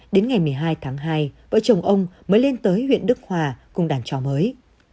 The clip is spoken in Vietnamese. đến ngày một mươi hai tháng hai vợ chồng ông mới lên tới huyện đức hòa cùng đàn chó mới